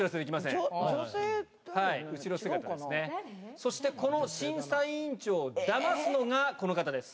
そして審査委員長をダマすのがこの方です。